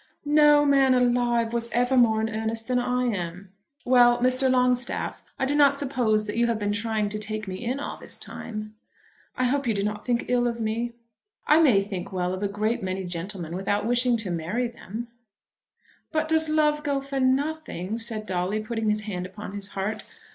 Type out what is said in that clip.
"No man alive was ever more in earnest than I am." "Well, Mr. Longstaff, I do not suppose that you have been trying to take me in all this time." "I hope you do not think ill of me." "I may think well of a great many gentlemen without wishing to marry them." "But does love go for nothing?" said Dolly, putting his hand upon his heart.